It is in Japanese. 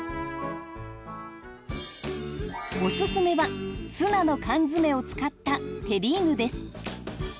オススメはツナの缶詰を使ったテリーヌです。